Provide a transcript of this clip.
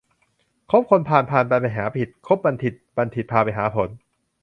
คบคนพาลพาลพาไปหาผิด คบบัณฑิตบัณฑิตพาไปหาผล